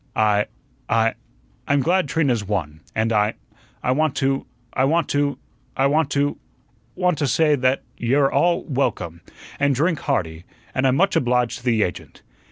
"I I I'm glad Trina's won, and I I want to I want to I want to want to say that you're all welcome, an' drink hearty, an' I'm much obliged to the agent.